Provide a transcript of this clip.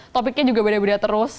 topiknya juga beda beda terus